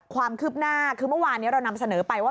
ความคืบหน้าคือเมื่อวานนี้เรานำเสนอไปว่า